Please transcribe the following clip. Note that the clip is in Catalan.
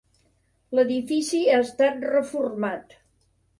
L'edifici ha estat reformat.